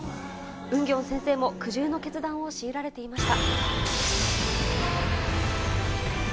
ウンギョン先生も苦渋の決断を強いられていました。